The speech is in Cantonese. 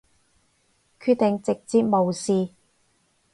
決定直接無視